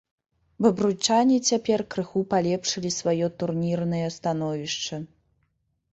Бабруйчане цяпер крыху палепшылі сваё турнірнае становішча.